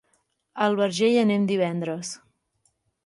A el Verger hi anem divendres.